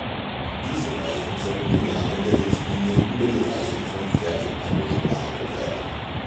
Diese Reihen sollten im Rahmen der Richtlinien über die Reihen von Fertigpackungen behandelt werden.